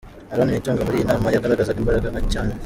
Aaron Nitunga muri iyi nama yagaragazaga imbaraga nke cyane.